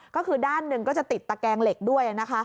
ก็คือด้านหนึ่งก็จะติดตะแกงเหล็กด้วย